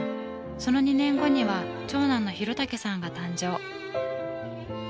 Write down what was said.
その２年後には長男の大武さんが誕生。